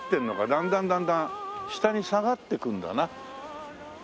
だんだんだんだん下に下がっていくんだな。